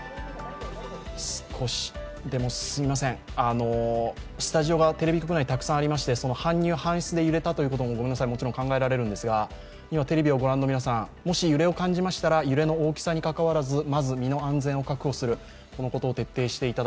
少しもすみません、スタジオがテレビ局内たくさんありまして搬入搬出で揺れたということももちろん考えられるんですが今、テレビを御覧の皆さん揺れを感じましたら揺れの大きさにかかわらず、ご注意をお願いします。